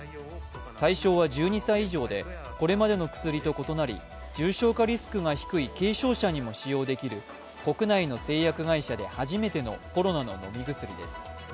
対象は１２歳以上でこれまでの薬と異なり、重症化リスクが低い軽症者にも使用できる国内の製薬会社で初めてのコロナの飲み薬です。